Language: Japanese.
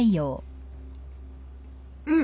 うん！